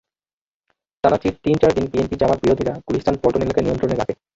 টানা তিন-চার দিন বিএনপি-জামায়াত বিরোধীরা গুলিস্তান-পল্টন এলাকা নিয়ন্ত্রণে রাখে।